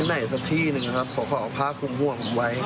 ที่ไหนสักที่หนึ่งครับเพราะเขาเอาผ้าคุมห่วงผมไว้